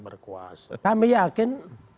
berkuasa kami yakin